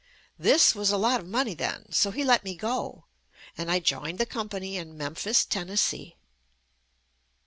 This was a lot of money then, so he let me go, and I joined the company in Memphis, Tennessee.